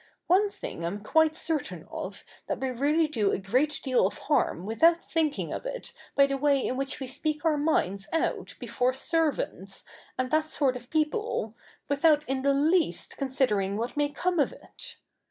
One thing I'm quite certain of, that we really do a great deal of harm without thinking of it by the way in which we speak our minds out before servants, and that sort of people, without in the least considering what may come of it.